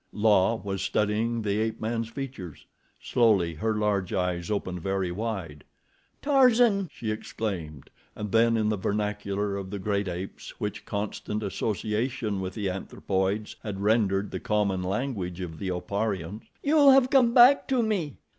La was studying the ape man's features. Slowly her large eyes opened very wide. "Tarzan!" she exclaimed, and then, in the vernacular of the great apes which constant association with the anthropoids had rendered the common language of the Oparians: "You have come back to me!